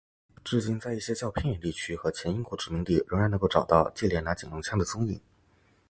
至今在一些较偏远地区和前英国殖民地仍然能够找到忌连拿警用枪的踪影。